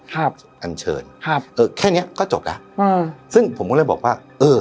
อันเชิญครับเออแค่เนี้ยก็จบแล้วอืมซึ่งผมก็เลยบอกว่าเออ